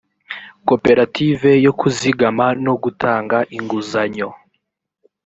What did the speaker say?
koperative yo kuzigama no gutanga inguzanyo